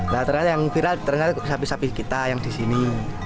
nah ternyata yang viral ternyata sapi sapi kita yang di sini